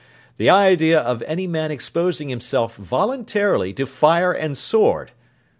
He, he, he! The idea of any man exposing himself, voluntarily, to fire and sword!